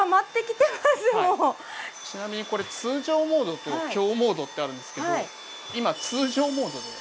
ちなみにこれ通常モードと強モードってあるんですけど今通常モードで。